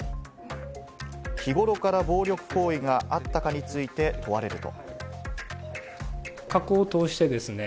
日頃から暴力行為があったかについて問われると。